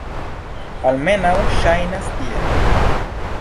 Almenaŭ ŝajnas tiel.